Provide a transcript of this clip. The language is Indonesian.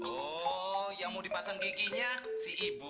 oh yang mau dipasang giginya si ibu